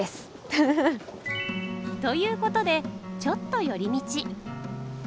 フフ。ということでちょっと寄り道。